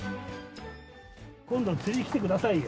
今度釣りへ来てくださいよ。